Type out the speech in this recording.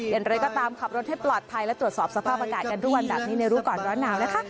อย่างไรก็ตามขับรถให้ปลอดภัยและตรวจสอบสภาพอากาศกันทุกวันแบบนี้ในรู้ก่อนร้อนหนาวนะคะ